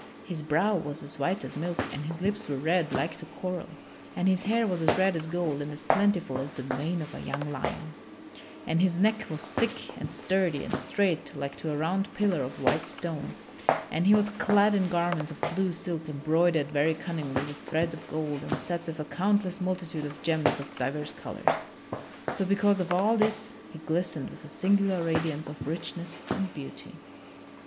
His brow was as white as milk and his lips were red like to coral and his hair was as red as gold and as plentiful as the mane of a young lion, and his neck was thick and sturdy and straight like to a round pillar of white stone, and he was clad in garments of blue silk embroidered very cunningly with threads of gold and set with a countless multitude of gems of divers colors. So because of all this he glistened with a singular radiance of richness and beauty.